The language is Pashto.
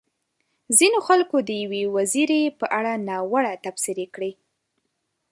ځينو خلکو د يوې وزيرې په اړه ناوړه تبصرې کړې.